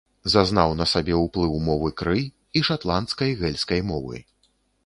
Зазнаў на сабе ўплыў мовы кры і шатландскай гэльскай мовы.